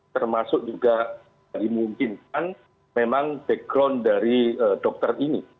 termasuk juga dimungkinkan memang background dari dokter ini